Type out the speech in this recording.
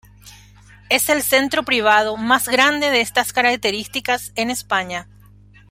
Es el centro privado más grande de estas características en España.